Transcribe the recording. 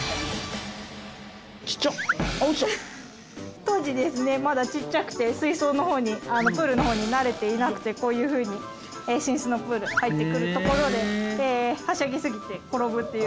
当時ですねまだちっちゃくてプールの方に慣れていなくてこういうふうに寝室のプール入ってくるところではしゃぎ過ぎて転ぶっていう。